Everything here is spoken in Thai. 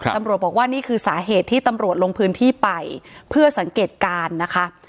ตำรวจบอกว่านี่คือสาเหตุที่ตำรวจลงพื้นที่ไปเพื่อสังเกตการณ์นะคะ